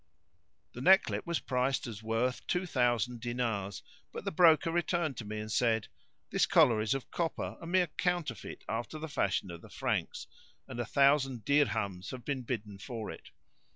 The necklet was priced as worth two thousand dinars, but the broker returned to me and said, "This collar is of copper, a mere counterfeit after the fashion of the Franks[FN#595] and a thousand dirhams have been bidden for it."